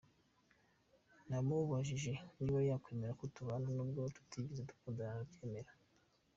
Namubajije niba yakwemera ko tubana n’ubwo tutigeze dukundana arabyemera